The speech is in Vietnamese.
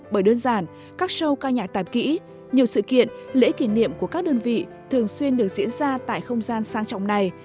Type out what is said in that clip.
bởi đơn giản các show ca nhạc kỹ nhiều sự kiện lễ kỷ niệm của các đơn vị thường xuyên được diễn ra tại không gian sang trọng này